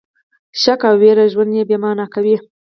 شک او ویره ژوند بې مانا کوي.